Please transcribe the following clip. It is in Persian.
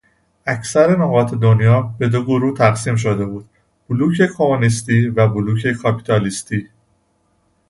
اکثر نقاط دنیا به دو گروه تقسیم شده بود: بلوک کمونیستی و بلوک کاپیتالیستی